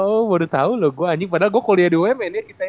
oh baru tau lho gua anjing padahal gua kuliah di umn ya kita ya